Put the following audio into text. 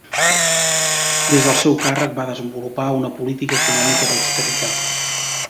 Des del seu càrrec va desenvolupar una política econòmica d'austeritat.